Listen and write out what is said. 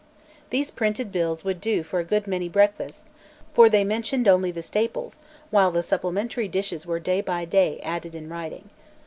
These printed bills would do for a good many breakfasts, for they mentioned only the staples, while the supplementary dishes were day by day added in writing.